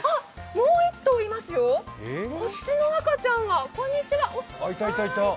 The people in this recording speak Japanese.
もう１頭いますよ、こっちの赤ちゃんがこんにちは。